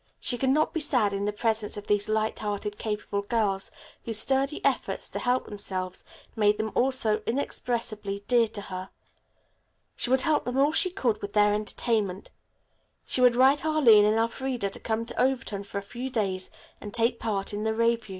She could not be sad in the presence of these light hearted, capable girls, whose sturdy efforts to help themselves made them all so inexpressibly dear to her. She would help them all she could with their entertainment. She would write Arline and Elfreda to come to Overton for a few days and take part in the revue.